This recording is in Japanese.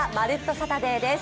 サタデー」です。